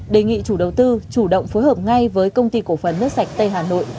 đề nghị chủ đầu tư chủ động phối hợp ngay với công ty cổ phần nước sạch tây hà nội